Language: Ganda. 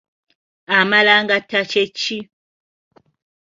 Amalangata kye ki?